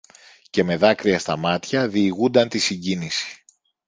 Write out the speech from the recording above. και με δάκρυα στα μάτια διηγούνταν τη συγκίνηση